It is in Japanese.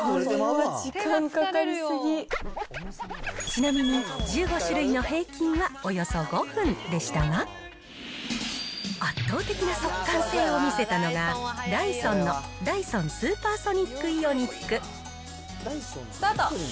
ちなみに１５種類の平均はおよそ５分でしたが、圧倒的な速乾性を見せたのが、ダイソンのダイソン・スーパーソニックイオニック。スタート。